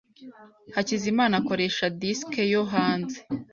Hakizimana akoresha disiki yo hanze.